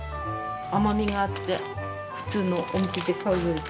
甘みがあって普通のお店で買うより。